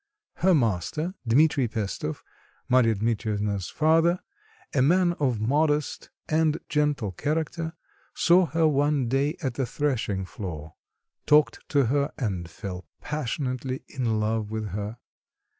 Her master Dmitri Pestov, Marya Dmitrievna's father, a man of modest and gentle character, saw her one day at the threshing floor, talked to her and fell passionately in love with her.